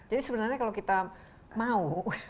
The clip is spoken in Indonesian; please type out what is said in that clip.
jadi sebenarnya kalau kita mau